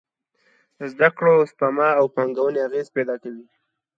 د زده کړو، سپما او پانګونې انګېزې پېدا کوي.